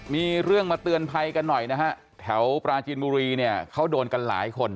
มีเรื่องมาเตือนภัยกันหน่อยนะฮะแถวปราจีนบุรีเนี่ยเขาโดนกันหลายคน